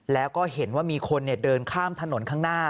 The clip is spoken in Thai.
แล้วก็เห็นว่ามีคนเดินข้ามถนนข้างหน้า